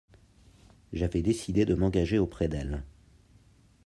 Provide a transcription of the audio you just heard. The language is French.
J'avais décidé de m'engager auprès d'elle.